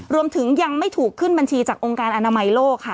รวมถึงยังไม่ถูกขึ้นบัญชีจากองค์การอนามัยโลกค่ะ